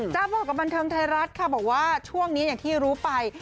บอกกับบันเทิงไทยรัฐค่ะบอกว่าช่วงนี้อย่างที่รู้ไป